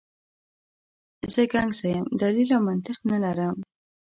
زه ګنګسه یم، دلیل او منطق نه لرم.